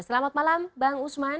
selamat malam bang usman